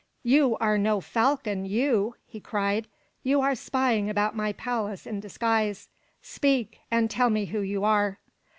"You are no falcon, you!" he cried. "You are spying about my palace in disguise. Speak, and tell me who you are."